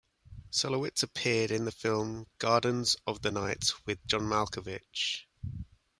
Solowitz appeared in the film "Gardens of the Night" with John Malkovich.